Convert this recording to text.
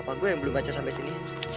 apa gua yang belum baca sampai sini